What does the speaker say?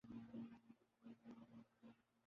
کیا جیت نے خامیوں کو چھپا دیا ہے